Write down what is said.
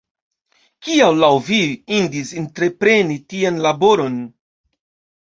Kial laŭ vi indis entrepreni tian laboron?